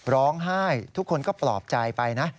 ร้องไห้ทุกคนก็ปลอบใจไปนะ